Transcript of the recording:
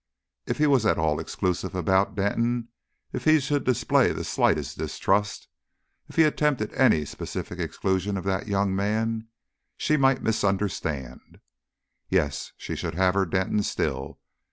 If he was at all exclusive about Denton, if he should display the slightest distrust, if he attempted any specific exclusion of that young man, she might misunderstand. Yes she should have her Denton still.